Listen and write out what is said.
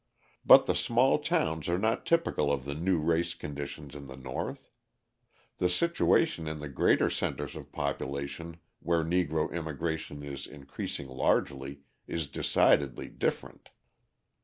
But the small towns are not typical of the new race conditions in the North; the situation in the greater centres of population where Negro immigration is increasing largely, is decidedly different.